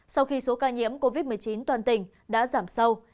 sau khi số ca nhiễm covid một mươi chín toàn tỉnh đã giảm sâu